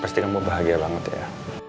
pasti kamu bahagia banget ya